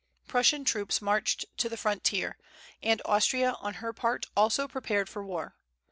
Prussian troops marched to the frontier, and Austria on her part also prepared for war.